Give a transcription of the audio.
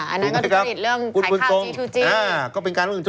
อ้านั่นก็ต้องหายข้าก่อนกานศนา